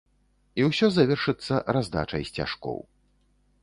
І ўсё завершыцца раздачай сцяжкоў.